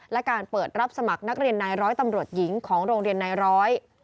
และการเปิดรับสมัครนักเรียนนายร้อยตำรวจหญิงของโรงเรียนนายร้อย